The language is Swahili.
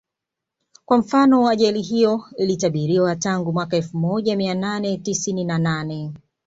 Kwa mfano ajali hiyo ilitabiriwa tangu mwaka elfu moja mia nane tisini na nane